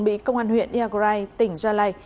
bị công an huyện iagrai tỉnh gia lai